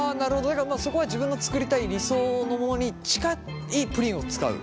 だからそこは自分の作りたい理想のものに近いプリンを使う？